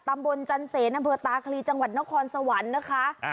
บรรจันเสนอำเภอตาคลีจังหวัดนครสวรรค์นะคะ